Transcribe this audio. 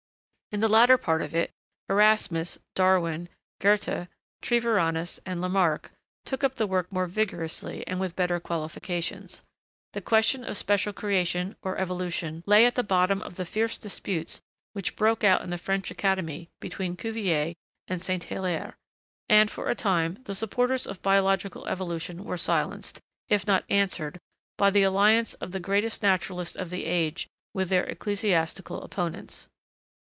In the latter part of it, Erasmus Darwin, Goethe, Treviranus, and Lamarck took up the work more vigorously and with better qualifications. The question of special creation, or evolution, lay at the bottom of the fierce disputes which broke out in the French Academy between Cuvier and St. Hilaire; and, for a time, the supporters of biological evolution were silenced, if not answered, by the alliance of the greatest naturalist of the age with their ecclesiastical opponents.